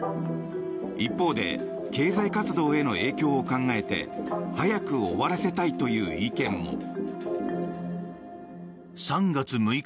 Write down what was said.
一方で経済活動への影響を考えて早く終わらせたいという意見も。